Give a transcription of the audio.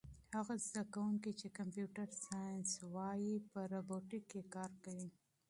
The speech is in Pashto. هغه محصلین چې کمپیوټر ساینس لولي په روبوټیک کې کار کوي.